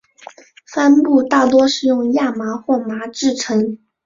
帆布大多是用亚麻或麻制成。